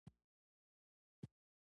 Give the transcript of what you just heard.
آیا دا توکي ارزانه او باکیفیته نه دي؟